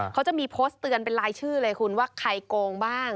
เขาจะมีโพสต์เตือนเป็นรายชื่อเลยคุณว่าใครโกงบ้าง